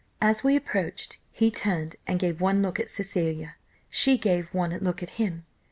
"As we approached, he turned and gave one look at Cecilia; she gave one look at him.